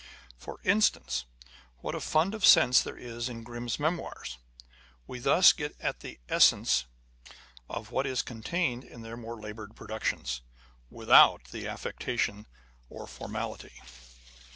For instance, what a fund of sense there is in Grimm's Memoirs ! We thus get at the essence of what is contained in their more laboured productions, without the affectation or formality.